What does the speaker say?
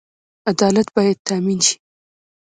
عدالت باید تامین شي